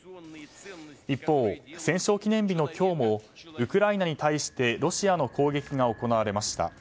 一方、戦勝記念日の今日もウクライナに対してロシアの攻撃が行われました。